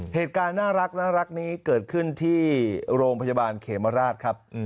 เหตุการณ์น่ารักนี้เกิดขึ้นที่โรงพยาบาลเขมราชครับ